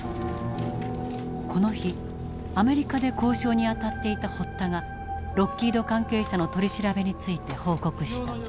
この日アメリカで交渉に当たっていた堀田がロッキード関係者の取り調べについて報告した。